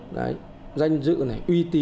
đấy danh dự này uy tín